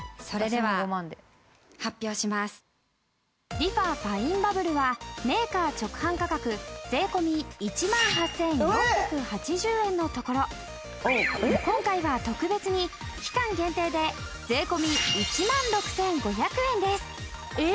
リファファインバブルはメーカー直販価格税込１万８４８０円のところ今回は特別に期間限定で税込１万６５００円です。えっ！？